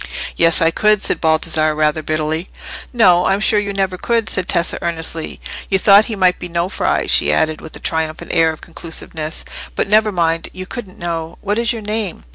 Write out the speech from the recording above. "Yes, I could," said Baldassarre, rather bitterly. "No, I'm sure you never could," said Tessa, earnestly. "You thought he might be Nofri," she added, with a triumphant air of conclusiveness. "But never mind; you couldn't know. What is your name?"